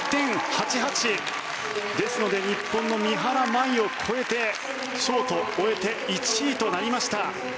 ですので日本の三原舞依を超えてショートを終えて１位となりました。